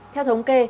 theo thống kê